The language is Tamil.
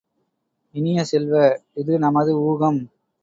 இனிய செல்வ, இது நமது ஊகம்.